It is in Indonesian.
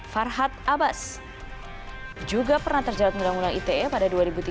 farhad abbas juga pernah terjerat undang undang ite pada dua ribu tiga belas